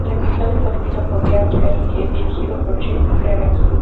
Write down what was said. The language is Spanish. El episodio fue escrito por Brian Kelley y dirigido por Chris Clements.